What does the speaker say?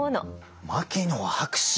牧野博士。